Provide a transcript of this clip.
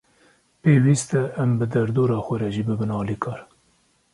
Pêwîst e em bi derdora xwe re jî bibin alîkar.